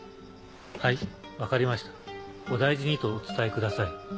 はい分かりましたお大事にとお伝えください。